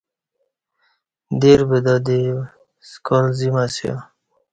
دیر بدا دی سکال زیم اسیا